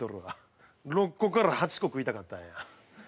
６個から８個食いたかったんや。